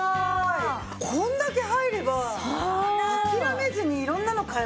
こんだけ入れば諦めずに色んなの買えますよね。